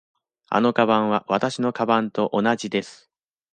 あのかばんはわたしのかばんと同じです。